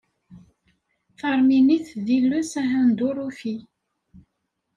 Taṛminit d iles ahenduṛufi.